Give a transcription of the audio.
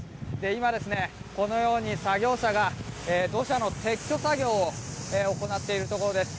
今、このように作業車が土砂の撤去作業を行っているところです。